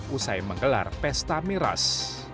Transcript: usai menggelar pesta miras